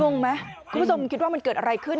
งงไหมคุณผู้ชมคิดว่ามันเกิดอะไรขึ้น